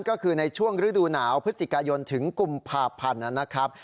ก็คือในช่วงฤดูหนาวพฤศจิกายนถึงกุมภาพันธ์นะครับ